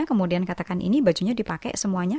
kemudian katakan ini bajunya dipakai semuanya